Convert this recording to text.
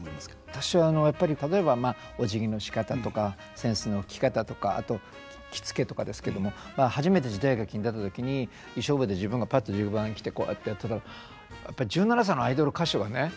私はやっぱり例えばまあおじぎのしかたとか扇子の置き方とかあと着付けとかですけども初めて時代劇に出た時に衣装部屋で自分がぱっとじゅばん着てこうやってやってたらやっぱり１７歳のアイドル歌手がね。